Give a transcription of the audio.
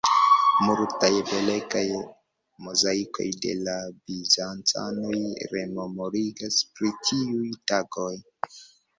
Multaj belegaj mozaikoj de la bizancanoj rememorigas pri tiuj tagoj.